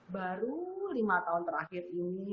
baru lima tahun terakhir ini